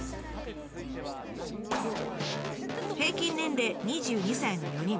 平均年齢２２歳の４人。